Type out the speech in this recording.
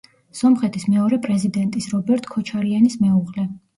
სომხეთის მეორე პრეზიდენტის, რობერტ ქოჩარიანის მეუღლე.